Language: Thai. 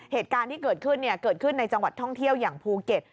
เหตุการณ์ที่เกิดขึ้นเกิดขึ้นในจังหวัดท่องเที่ยวอย่างภูเก็ต